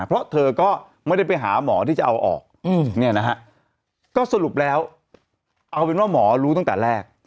เพราะเธอก็ไม่ได้ไปหาหมอที่จะเอาออกเนี่ยนะฮะก็สรุปแล้วเอาเป็นว่าหมอรู้ตั้งแต่แรก